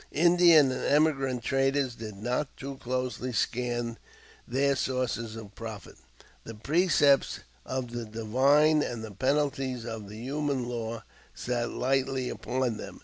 Indian and emigrant traders did not too closely scan their sources of profit. The precepts of the divine and the penalties of the human law sat lightly upon them.